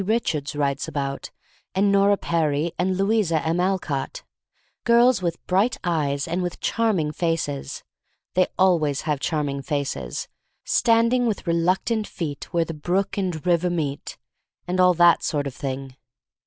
Richards writes about, and Nora Perry, and Louisa M. Alcott, — girls with bright eyes, and with charm ing faces (they always have charming faces), standing with reluctant feet where the brook and river meet, — and all that sort of thing.